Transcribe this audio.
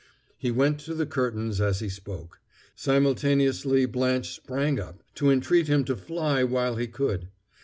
He went to the curtains as he spoke. Simultaneously Blanche sprang up, to entreat him to fly while he could.